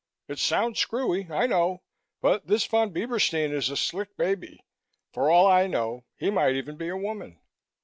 It sounds screwy, I know, but this Von Bieberstein is a slick baby. For all I know, he might even be a woman."